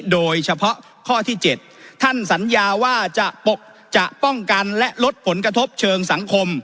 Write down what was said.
โดยเฉพาะข้อที่๗ท่านสัญญาว่าจะปกจะป้องกันและลดผลกระทบเชิงสังคม